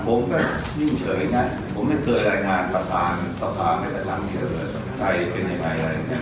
ผมก็นิ่งเฉยนะผมไม่เคยรายงานสถานสถานที่จะทำเกี่ยวใจเป็นยังไงอะไรอย่างนี้